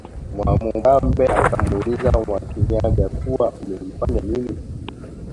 Mwamubambe akamuuliza Mwakinyaga kuwa umenifanya nini